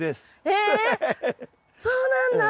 えっそうなんだ！